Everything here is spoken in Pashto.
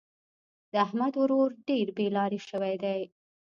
د احمد ورور ډېر بې لارې شوی دی.